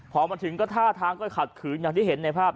พอมาถึงก็ท่าทางก็ขัดขืนอย่างที่เห็นในภาพ